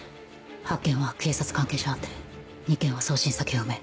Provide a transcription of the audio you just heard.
８件は警察関係者宛て２件は送信先不明。